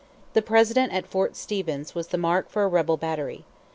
The President at Fort Stevens was the mark for a rebel battery.